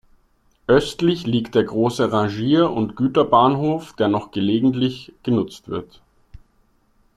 Östlich liegt der große Rangier- und Güterbahnhof, der noch gelegentlich genutzt wird.